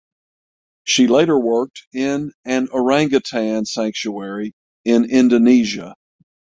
She later worked in an orangutan sanctuary in Indonesia.